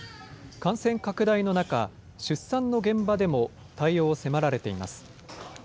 感染拡大の中、出産の現場でも対応を迫られています。